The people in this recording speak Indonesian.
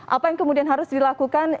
apa yang kemudian harus dilakukan